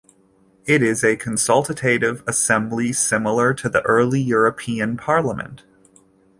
It is a consultative assembly similar to the early European Parliament.